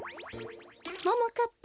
ももかっぱ。